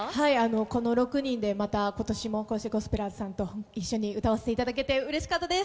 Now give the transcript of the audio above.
この６人でまた今年もこうしてゴスペラーズさんと一緒に歌わせていただけてうれしかったです。